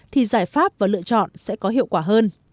thì giải pháp và lựa chọn sẽ có hiệu quả hơn